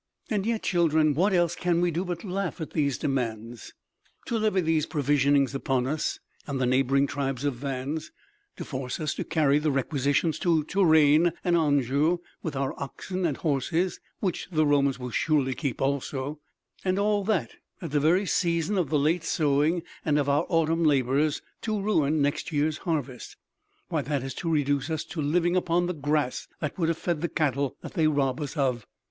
"And yet, children, what else can we do but laugh at these demands. To levy these provisionings upon us and the neighboring tribes of Vannes; to force us to carry the requisitions to Touraine and Anjou with our oxen and horses which the Romans will surely keep also, and all that at the very season of the late sowing and of our autumn labors; to ruin next year's harvest; why, that is to reduce us to living upon the grass that would have fed the cattle that they rob us of!"